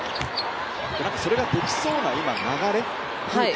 それができそうな流れ、雰囲気